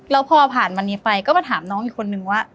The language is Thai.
แล้วพอผ่านวันนี้ไปก็มาถามน้องอีกคนนึงว่า